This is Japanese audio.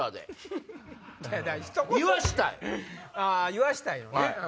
言わしたいのね。